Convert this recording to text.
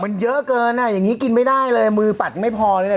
มันเยอะเกินอ่ะอย่างนี้กินไม่ได้เลยมือปัดไม่พอเลยเนี่ย